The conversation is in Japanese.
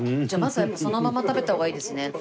じゃあまずはやっぱそのまま食べた方がいいですね。